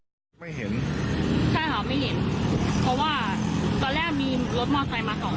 ใช่ค่ะไม่เห็นเพราะว่าตอนแรกมีรถมอเตอร์ไซค์มา๒คัน